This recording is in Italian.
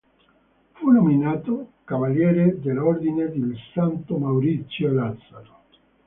Fu nominato cavaliere dell'Ordine dei Santi Maurizio e Lazzaro.